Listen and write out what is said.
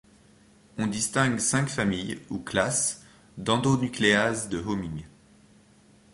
On distingue cinq familles, ou classes, d’endonucléases de homing.